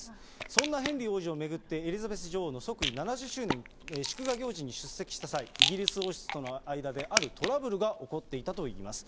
そんなヘンリー王子を巡って、エリザベス女王の即位７０周年祝賀行事に出席した際、イギリス王室との間であるトラブルが起こっていたといいます。